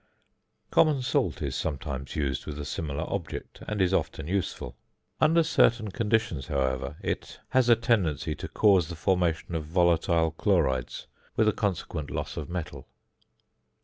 Common salt is sometimes used with a similar object, and is often useful. Under certain conditions, however, it has a tendency to cause the formation of volatile chlorides with a consequent loss of metal.